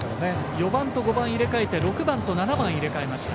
４番と５番を入れ替えて６番と７番入れ替えました。